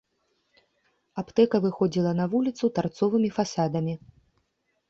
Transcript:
Аптэка выходзіла на вуліцу тарцовымі фасадамі.